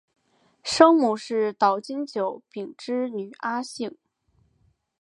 生母是岛津久丙之女阿幸。